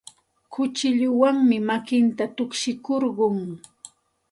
Kuchilluwanmi makinta tukshikurqun.